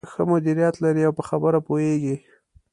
ښه مديريت لري او په خبره پوهېږې.